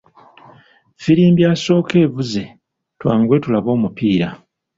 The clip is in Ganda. Ffirimbi asooka evuze, twanguwe tulabe omupiira.